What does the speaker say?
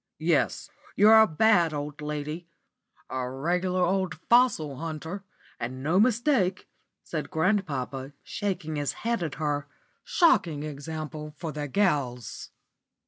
"Yes, you're a bad old lady a regular old fossil hunter, and no mistake," said grandpapa, shaking his head at her. "Shocking example for the gals!"